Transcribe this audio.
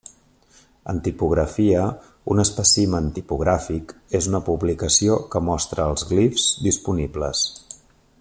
En tipografia un espècimen tipogràfic és una publicació que mostra els glifs disponibles.